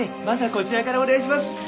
まずはこちらからお願いします！